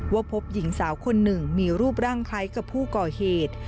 ว่าพบหญิงสาวคนหนึ่งมีรูปร่างคล้ายกับผู้ก่อเหตุ